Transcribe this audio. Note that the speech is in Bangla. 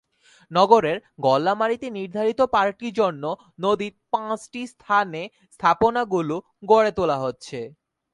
নগরের গল্লামারীতে নির্মাণাধীন পার্কটির জন্য নদীর পাঁচটি স্থানে স্থাপনাগুলো গড়ে তোলা হচ্ছে।